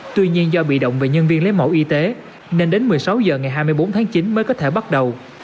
tuy nhiên do bị động về nhân viên lấy mẫu y tế nên đến một mươi sáu h ngày hai mươi bốn tháng chín mới có thể bắt đầu